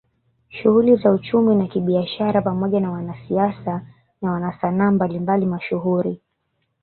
Shughuli za uchumi na kibiashara pamoja na wanasiasa na wanasanaa mbalimbali mashuhuri